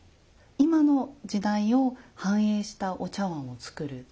今の時代を反映したお茶碗を作る。